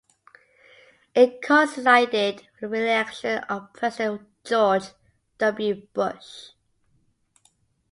It coincided with the reelection of President George W. Bush.